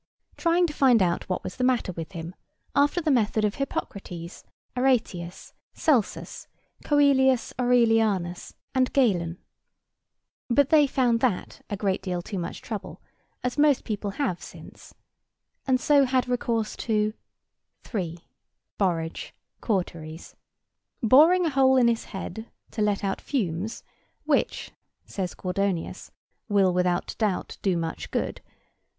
Trying to find out what was the matter with him, after the method of Hippocrates, Aretæus, Celsus, Coelius Aurelianus, And Galen. But they found that a great deal too much trouble, as most people have since; and so had recourse to— 3. Borage. Cauteries. Boring a hole in his head to let out fumes, which (says Gordonius) "will, without doubt, do much good."